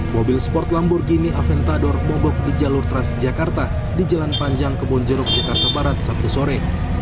mobil sport lamborghini aventador mogok di jalur transjakarta di jalan panjang kebonjeruk jakarta barat sabtu sore